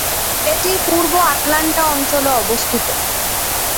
এটি পূর্ব আটলান্টা অঞ্চলে অবস্থিত।